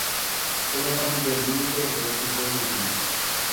Forma parte del límite entre estos dos últimos.